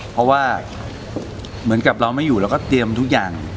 เพราะว่าเหมือนกับเราไม่อยู่เราก็เตรียมทุกอย่าง